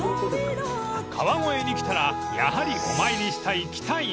［川越に来たらやはりお参りしたい喜多院］